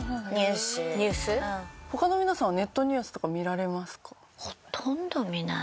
他の皆さんはネットニュースとか見られますか？